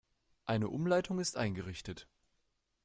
Eine Umleitung ist eingerichtet.